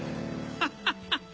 ハハハハ。